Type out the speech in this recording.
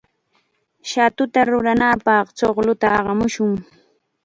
Umitata ruranapaq chuqlluta aqamushun.